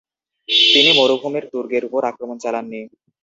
তিনি মরুভূমির দুর্গের উপর আক্রমণ চালাননি।